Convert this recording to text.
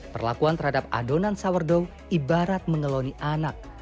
perlakuan terhadap adonan sourdow ibarat mengeloni anak